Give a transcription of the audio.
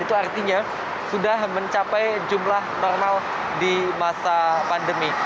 itu artinya sudah mencapai jumlah normal di masa pandemi